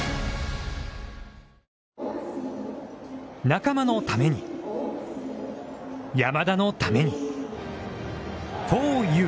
仲間のために、山田のために。